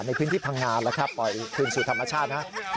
ในพื้นที่ผ่างนานแล้วปล่อยกลิ่นสู่ธรรมชาตินะครับ